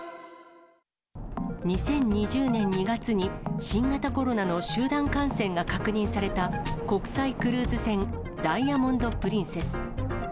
２０２０年２月に新型コロナの集団感染が確認された国際クルーズ船、ダイヤモンド・プリンセス。